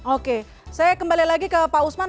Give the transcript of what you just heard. oke saya kembali lagi ke pak usman